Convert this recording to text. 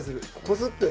こすって。